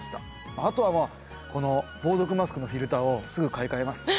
あとはこの防毒マスクのフィルターをすぐ買い替えます。